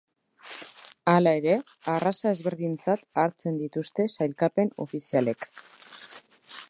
Hala ere, arraza ezberdintzat hartzen dituzte sailkapen ofizialek.